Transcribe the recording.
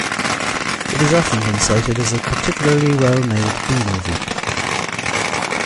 It has often been cited as a particularly well-made B-movie.